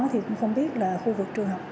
thì cũng không biết là khu vực trường học